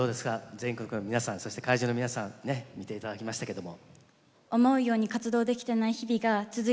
全国の皆さんそして会場の皆さんね見て頂きましたけども。